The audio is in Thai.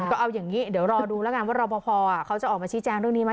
ก็เอาอย่างนี้เดี๋ยวรอดูแล้วกันว่ารอปภเขาจะออกมาชี้แจงเรื่องนี้ไหม